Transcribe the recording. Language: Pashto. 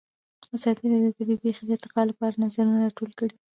ازادي راډیو د طبیعي پېښې د ارتقا لپاره نظرونه راټول کړي.